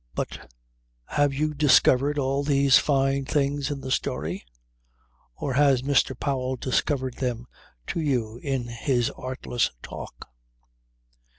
"But have you discovered all these fine things in the story; or has Mr. Powell discovered them to you in his artless talk?